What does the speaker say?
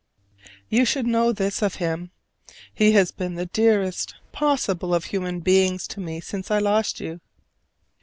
You should know this of him: he has been the dearest possible of human beings to me since I lost you.